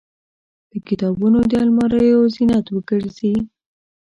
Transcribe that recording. د کتابتونونو د الماریو زینت وګرځي.